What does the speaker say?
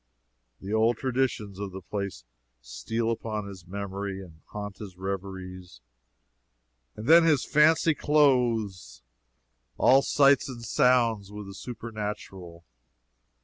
The old traditions of the place steal upon his memory and haunt his reveries, and then his fancy clothes all sights and sounds with the supernatural.